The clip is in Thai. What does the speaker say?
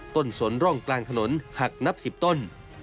สนร่องกลางถนนหักนับ๑๐ต้น